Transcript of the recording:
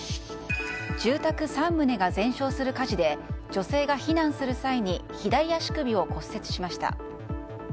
住宅３棟が全焼する火事で女性が避難する際に左足首を骨折しました。